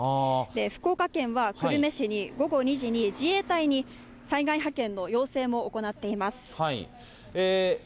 福岡県は、久留米市に午後２時に自衛隊に災害派遣の要請も行っています。